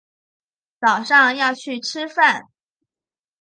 早上要去吃饭